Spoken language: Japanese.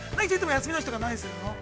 休みの日とかは、何するの？